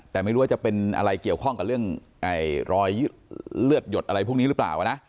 แต่ไม่รู้ว่าจะเป็นอะไรเกี่ยวข้องกับเรื่องรอยเลือดหยดอะไรพวกนี้หรือเปล่านะ